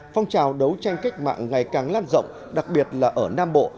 phong trào đấu tranh cách mạng ngày càng lan rộng đặc biệt là ở nam bộ